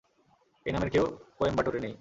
এই নামের কেউ কোয়েম্বাটোরে নেই।